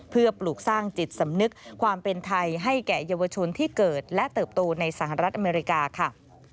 เพื่อปลูกสร้างจิตสำนึกความเป็นไทยให้แก่เยาวชนที่เกิดและเติบโตในสหรัฐอเมริกาค่ะ